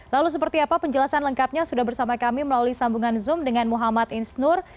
lalu seperti apa penjelasan lengkapnya sudah bersama kami melalui sambungan zoom dengan muhammad isnur